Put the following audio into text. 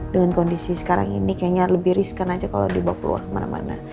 dengan kondisi sekarang ini kayaknya lebih riskan aja kalau dibawa keluar kemana mana